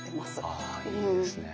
ああいいですね。